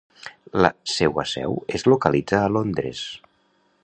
La seua seu es localitza a Londres.